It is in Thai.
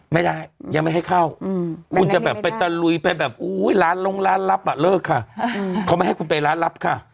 ไม่ได้ยังไม่ให้เข้าคุณจะแบบไปตะลุยไปแบบอุ้ยร้านลงร้านลับอ่ะเลิกค่ะเขาไม่ให้คุณไปร้านลับค่ะ